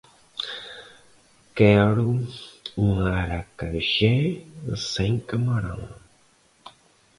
Quero um acarajé sem camarão